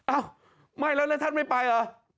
อ้าวไม่แล้วแล้วท่านไม่ไปเหรอ